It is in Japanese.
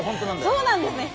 そうなんですね。